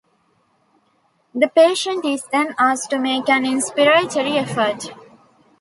The patient is then asked to make an inspiratory effort.